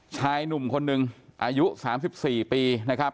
ชายหนุ่มคนหนึ่งอายุ๓๔ปีนะครับ